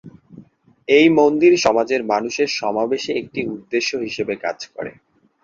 এই মন্দির সমাজের মানুষের সমাবেশে একটি উদ্দেশ্য হিসাবে কাজ করে।